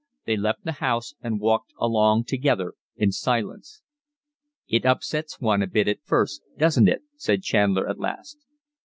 They left the house and walked along together in silence. "It upsets one a bit at first, doesn't it?" said Chandler at last.